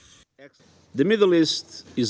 kementerian luar negeri di atas